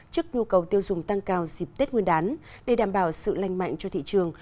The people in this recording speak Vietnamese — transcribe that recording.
trước nhu cầu tiêu dùng tăng cao dịp tết nguyên đán để đảm bảo sự lành mạnh cho thị trường